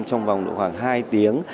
trong vòng khoảng hai tiếng